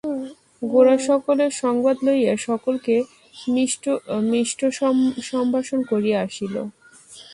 গোরা সকলের সংবাদ লইয়া সকলকে মিষ্টসম্ভাষণ করিয়া আসিল।